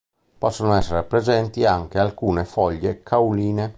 Possono essere presenti anche alcune foglie cauline.